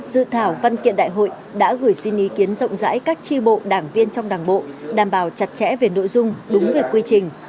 dự thảo văn kiện đại hội đã gửi xin ý kiến rộng rãi các tri bộ đảng viên trong đảng bộ đảm bảo chặt chẽ về nội dung đúng về quy trình